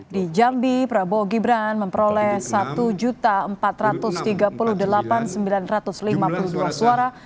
di jambi prabowo gibran memperoleh satu empat ratus tiga puluh delapan sembilan ratus lima puluh dua suara